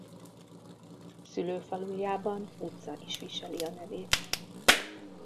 Szülőfalujában utca is viseli a nevét.